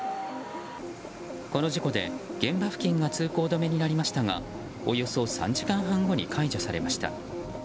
この事故で現場付近が通行止めになりましたがおよそ３時間半後に解除されました。